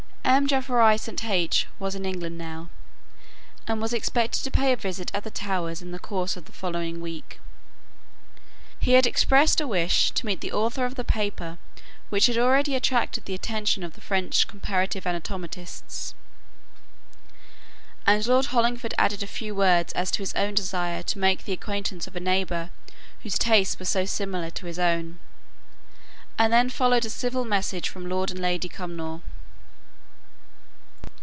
M. Geoffroi St. H was in England now, and was expected to pay a visit at the Towers in the course of the following week. He had expressed a wish to meet the author of the paper which had already attracted the attention of the French comparative anatomists; and Lord Hollingford added a few words as to his own desire to make the acquaintance of a neighbour whose tastes were so similar to his own; and then followed a civil message from Lord and Lady Cumnor.